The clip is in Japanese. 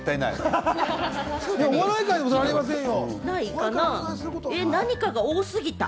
お笑い界では絶対ありませんよ。